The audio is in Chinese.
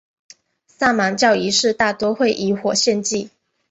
萨满教仪式大多会以火献祭。